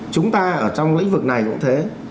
chúng ta ở trong lĩnh vực này cũng thế